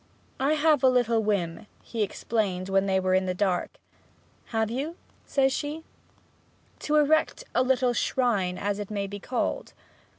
'I have had a little whim,' he explained when they were in the dark. 'Have you?' says she. 'To erect a little shrine, as it may be called.'